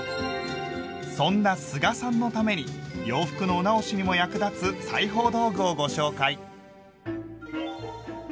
そんな須賀さんのために洋服のお直しにも役立つ裁縫道具をご紹介。